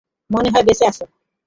মনে হয় বেঁচে আছে।